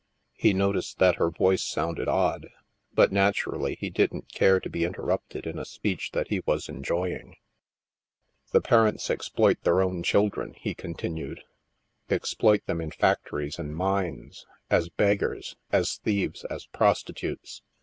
He no ticed that her voice sounded odd, but, naturally, he didn't care to be interrupted in a speech that he was enjoying. STILL WATERS 77 "The parents exploit their own children," he continued, " exploit them in factories and mines, as beggars, as thieves, as prostitutes.